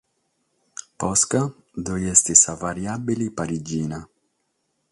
Posca ddoe est sa "variàbile parigina".